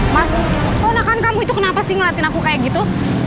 mas ponakan kamu itu kenapa sih ngeliatin aku kayak gitu